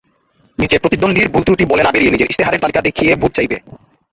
নিজের প্রতিদ্বন্দ্বীর ভুলত্রুটি বলে না বেড়িয়ে নিজের ইশতেহারের তালিকা দেখিয়ে ভোট চাইবে।